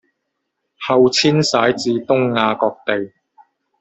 后迁徙至东亚各地。